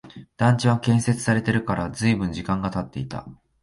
団地は建設されてから随分時間が経っていた